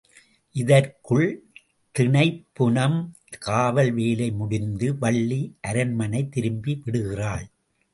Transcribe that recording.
இதற்குள் தினைப்புனம் காவல் வேலை முடிந்து, வள்ளி அரண்மனை திரும்பி விடுகிறாள்.